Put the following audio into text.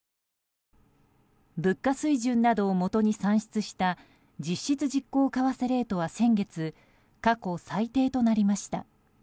物価水準などをもとに算出した実質実効為替レートは先月、過去最低となりました。